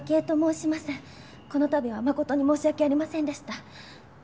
この度は誠に申し訳ありませんでした。